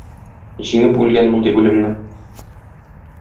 Җиңеп үлгән мондый үлемне?